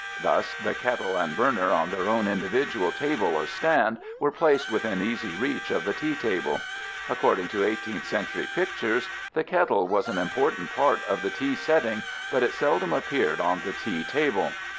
" Thus, the kettle and burner on their own individual table or stand were placed within easy reach of the tea table. According to 18th century pictures the kettle was an important part of the tea setting, but it seldom appeared on the tea table.